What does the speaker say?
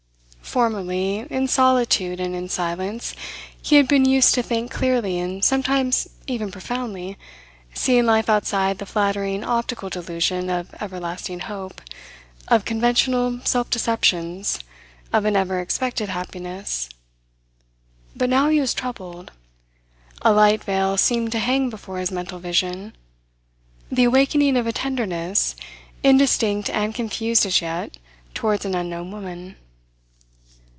Formerly, in solitude and in silence, he had been used to think clearly and sometimes even profoundly, seeing life outside the flattering optical delusion of everlasting hope, of conventional self deceptions, of an ever expected happiness. But now he was troubled; a light veil seemed to hang before his mental vision; the awakening of a tenderness, indistinct and confused as yet, towards an unknown woman.